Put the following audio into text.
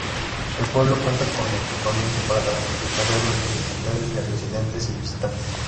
El pueblo cuenta con equipamiento para satisfacer las necesidades de residentes y visitantes.